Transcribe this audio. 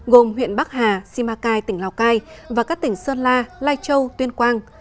gồm huyện bắc hà simacai tỉnh lào cai và các tỉnh sơn la lai châu tuyên quang